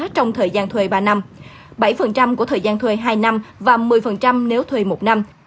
trong thời gian thuê ba năm bảy của thời gian thuê hai năm và một mươi nếu thuê một năm